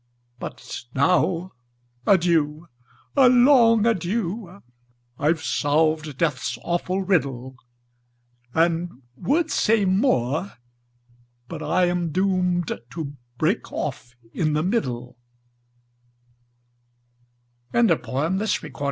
"But now, adieu â a long adieu I IVe solved death's awful riddle, A)nd would say more, but I am doomed To break off in the middle I " Thomas Hood.